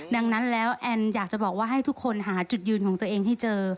ดังนั้นแล้วแอนอยากจะบอกว่าให้ทุกคนหาจุดยืนของตัวเองให้เจอ